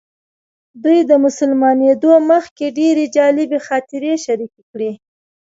دوی د مسلمانېدو مخکې ډېرې جالبې خاطرې شریکې کړې.